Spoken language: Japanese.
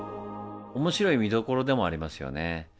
面白い見どころでもありますよね。